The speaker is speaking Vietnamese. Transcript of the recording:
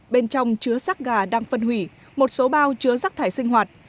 bên trong chứa sát gà đang phân hủy một số bao chứa rắc thải sinh hoạt